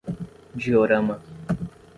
Diorama